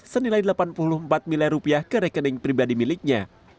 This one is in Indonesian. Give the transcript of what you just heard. senilai delapan puluh empat miliar rupiah ke rekening pribadi miliknya